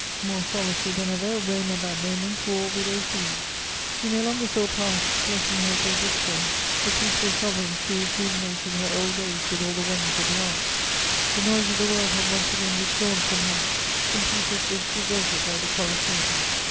More solitary than ever, Rome at that moment wore widow's weeds: she no longer saw pass, blessing her as they did so, the peaceful sovereigns who rejuvenated her old days with all the wonders of the arts. The noise of the world had once again withdrawn from her; St. Peter's was deserted like the Coliseum.